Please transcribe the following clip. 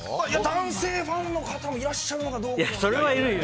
男性ファンの方もいらっしゃるかどうか。